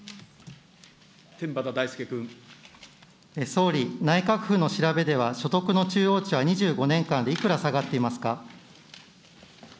総理、内閣府の調べでは、所得の中央値は、２５年間でいくら下がっていますか。